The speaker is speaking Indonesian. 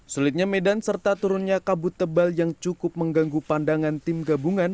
sulitnya medan serta turunnya kabut tebal yang cukup mengganggu pandangan tim gabungan